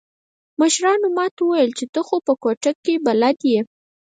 مشرانو ما ته وويل چې ته خو په کوټه کښې بلد يې.